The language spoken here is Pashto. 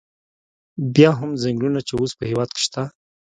بیا هم څنګلونه چې اوس په هېواد کې شته.